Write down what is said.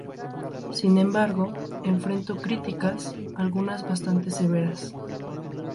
Sin embargo, enfrentó críticas, algunas bastante severas.